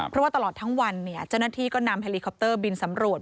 เพราะว่าตลอดทั้งวันเจ้าหน้าที่ก็นำเฮลิคอปเตอร์บินสำรวจ